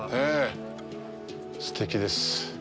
すてきです。